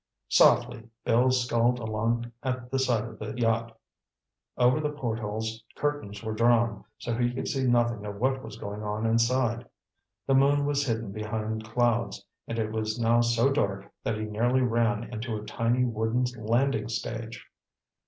Softly Bill sculled along at the side of the yacht. Over the portholes curtains were drawn, so he could see nothing of what was going on inside. The moon was hidden behind clouds, and it was now so dark that he nearly ran into a tiny wooden landing stage.